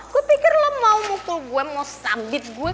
gue pikir lo mau mukul gue mau sambit gue